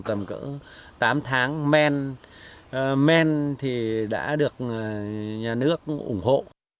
vòng cỡ tám tháng men men thì đã được nhà nước ủng hộ